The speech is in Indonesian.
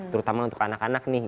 terutama untuk anak anak nih